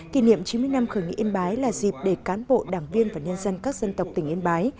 kỷ niệm chín mươi năm khởi nghĩa yên bái là dịp để cán bộ đảng viên và nhân dân các dân tộc tỉnh yên bái